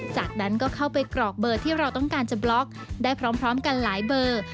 จากนั้นก็เข้าไปกรอกเบอร์ที่เราต้องการจะบล็อกได้พร้อมกันหลายเบอร์